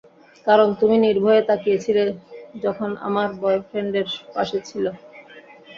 কারণ তুমি নির্ভয়ে তাকিয়ে ছিলে যখনআমার বয়ফ্রেন্ডের পাশে ছিল।